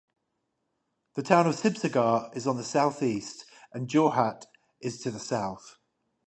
The town of Sibsagar is on the southeast and Jorhat is to the south.